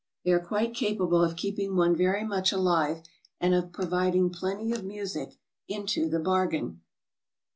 They are quite capable of keeping one very much alive, and of providing plenty of music into the bargain.